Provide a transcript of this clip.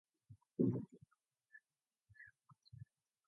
This tale is directly comparable to the legends of William Tell and Palnetoke.